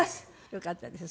よかったです。